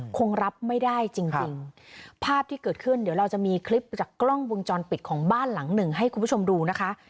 คงรับไม่ได้จริงจริงภาพที่เกิดขึ้นเดี๋ยวเราจะมีคลิปจากกล้องวงจรปิดของบ้านหลังหนึ่งให้คุณผู้ชมดูนะคะ